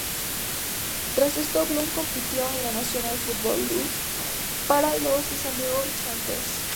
Tras esto, Bloom compitió en la National Football League para los San Diego Chargers.